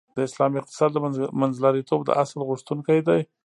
د اسلام اقتصاد د منځلاریتوب د اصل غوښتونکی دی .